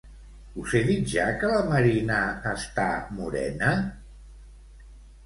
Us he dit ja que la Marina està morena?